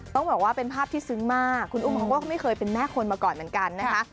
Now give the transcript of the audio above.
ต้องบอกว่าเป็นภาพที่ซึ้งมากคุณอุ้มเขาก็ไม่เคยเป็นแม่คนมาก่อนเหมือนกันนะคะ